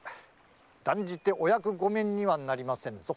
断じてお役御免にはなりませんぞ。